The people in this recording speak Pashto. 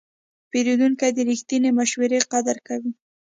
پیرودونکی د رښتینې مشورې قدر کوي.